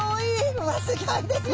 うわすギョいですよ。